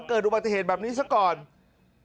เตรียมร้อยไหมพี่คุณครับ